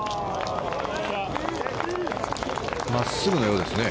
真っすぐのようですね。